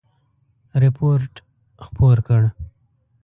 رپوټ خپور کړ.